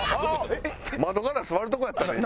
窓ガラス割るとこやったな今。